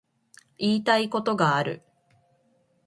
言いたいことがある